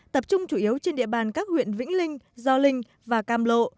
tập trung chủ yếu trên địa bàn các huyện vĩnh linh gio linh và cam lộ